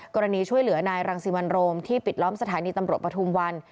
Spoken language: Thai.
กรณีช่วยเหลือนายรังสิมันโรมที่ปิดล้อมสถานีตำรวจปฐุมวัน